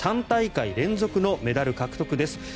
３大会連続のメダル獲得です。